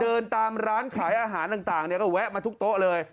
เดินตามร้านขายอาหารต่างก็แวะมาทุกโต๊ะเลย